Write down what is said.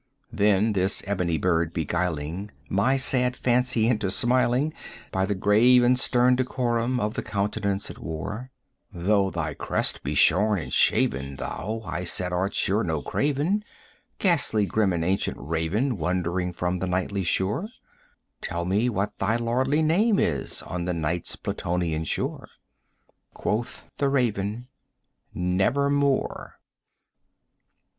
Then this ebony bird beguiling my sad fancy into smiling By the grave and stern decorum of the countenance it wore, "Though thy crest be shorn and shaven, thou," I said, "art sure no craven, 45 Ghastly grim and ancient Raven wandering from the Nightly shore: Tell me what thy lordly name is on the Night's Plutonian shore!" Quoth the Raven, "Nevermore."